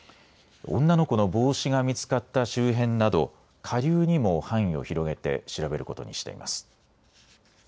女の子の帽子が見つかった周辺など下流にも範囲を広げて調べることにしています。